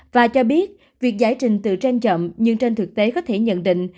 và cho biết việc giải trình tự gen chậm nhưng trên thực tế có thể nhận định